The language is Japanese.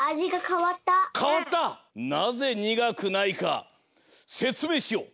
なぜ苦くないかせつめいしよう！